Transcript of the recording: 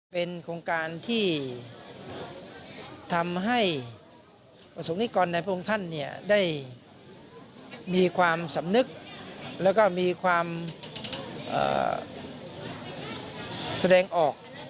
เป็นโครงการที่ทำให้ประสงค์นิกรในพระองค์ท่านได้มีความสำนึกแล้วก็มีความแสดงออก